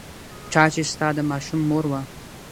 چا چې ستا د ماشوم مور وه.